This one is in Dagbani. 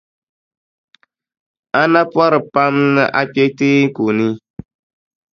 A na pɔri pam ni a kpe teeku ni.